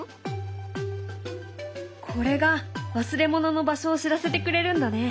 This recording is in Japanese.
これが忘れ物の場所を知らせてくれるんだね。